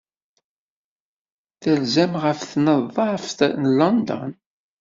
Terzam ɣef Tneḍḍaft n London?